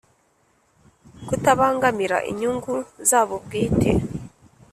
kutabangamira inyungu zabo bwite